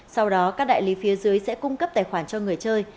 sau đó các đại lý phía dưới sẽ cung cấp tài khoản cho người chơi